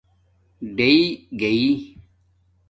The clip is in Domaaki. ڈِݶ گݶ